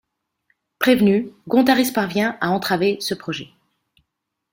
Prévenu, Gontharis parvient à entraver ce projet.